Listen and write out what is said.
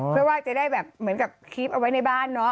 เพื่อว่าจะได้แบบเหมือนกับคลิปเอาไว้ในบ้านเนาะ